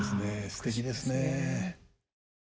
すてきですね。